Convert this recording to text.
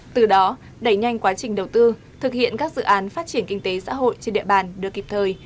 từ đó đẩy nhanh quá trình đầu tư thực hiện các dự án phát triển kinh tế xã hội trên địa bàn được kịp thời